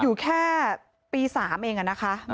อยู่แค่ปีสามเองอ่ะนะคะอ่า